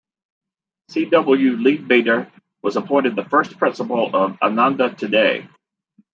C. W. Leadbeater was appointed the first principal of "Ananda today".